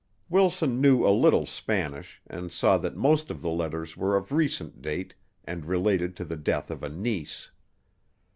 Wilson knew a little Spanish and saw that most of the letters were of recent date and related to the death of a niece.